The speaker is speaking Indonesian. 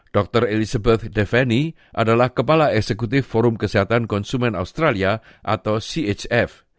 dr elizabeth deveni adalah kepala eksekutif forum kesehatan konsumen australia atau chf